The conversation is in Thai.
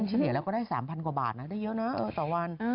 เฉลี่ยแล้วก็ได้๓๐๐กว่าบาทนะได้เยอะนะต่อวัน